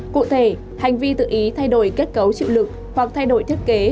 cụ thể hành vi tự ý thay đổi kết cấu chịu lực hoặc thay đổi thiết kế